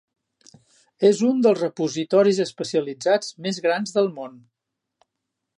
És un dels repositoris especialitzats més grans del món.